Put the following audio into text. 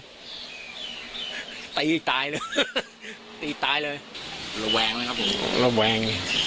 ก็แต๊ะอยู่ตายเลยตีตายเลยระแวงอ่ะครับผมระแวง